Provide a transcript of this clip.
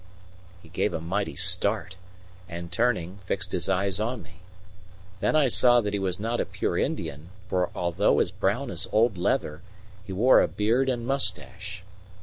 He gave a mighty start and, turning, fixed his eyes on me. Then I saw that he was not a pure Indian, for although as brown as old leather, he wore a beard and moustache.